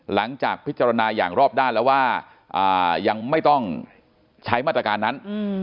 หลังจากพิจารณาอย่างรอบด้านแล้วว่ายังไม่ต้องใช้มาตรการนั้น